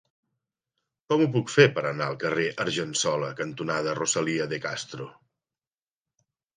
Com ho puc fer per anar al carrer Argensola cantonada Rosalía de Castro?